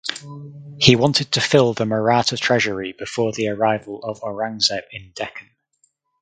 He wanted to fill the Maratha treasury before the arrival of Aurangzeb in Deccan.